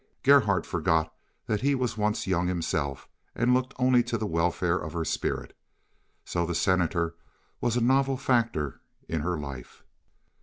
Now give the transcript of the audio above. Gerhardt forgot that he was once young himself, and looked only to the welfare of her spirit. So the Senator was a novel factor in her life.